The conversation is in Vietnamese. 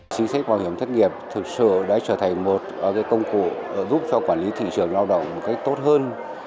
chính sách bảo hiểm thất nghiệp thực sự đã trở thành một công cụ giúp cho quản lý thị trường lao động một cách tốt hơn